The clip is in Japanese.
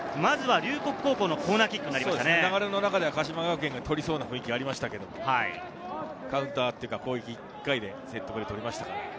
流れの中で鹿島学園が取りそうな雰囲気がありましたが、カウンター１回でセットプレーを取りました。